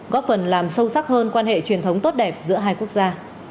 góp phần làm sâu sắc hơn quan hệ truyền thống tốt đẹp giữa hai quốc gia